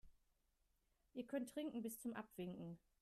Ihr könnt trinken bis zum Abwinken.